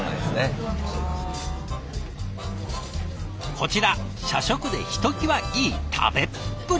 こちら社食でひときわいい食べっぷり。